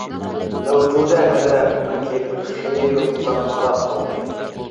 مەۋجۇدە ھەدە ئۇنىڭ كەينىدىن خېلى ئۇزاق قاراپ قالدى.